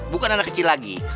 bukan anak kecil lagi